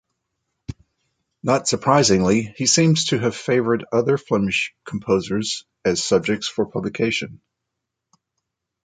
Not surprisingly, he seems to have favored other Flemish composers as subjects for publication.